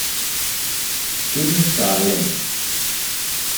Shooting Star Lens